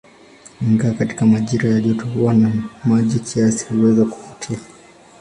Ingawa katika majira ya joto huwa na maji kiasi, huweza kuvutia.